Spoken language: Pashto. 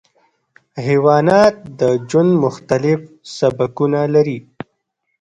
حیوانات د ژوند مختلف سبکونه لري.